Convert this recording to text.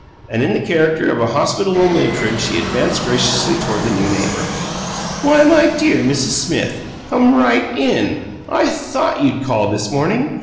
And in the character of a hospitable matron she advanced graciously toward the new neighbor. "Why, my dear Mrs. SMITH, come right IN! I THOUGHT you'd call this morning.